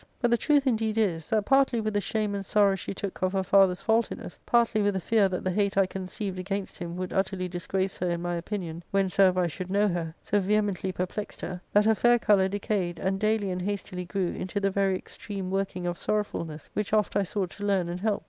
But the truth indeed is, that partly with the shame and sorrow she took of her father's faultiness, partly ,with the fear that the hate I conceived against him would utterly disgrace her in my opinion, whensoever I should know her, so vehemently perplexed her, that her fair colour decayed, and daily and hastily grew into the very extreme working of sorrowfulness, which oft I sought to learn and help.